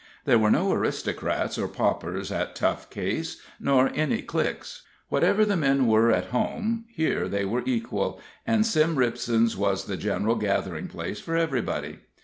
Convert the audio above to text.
There were no aristocrats or paupers at Tough Case, nor any cliques; whatever the men were at home, here they were equal, and Sim Ripson's was the general gathering place for everybody.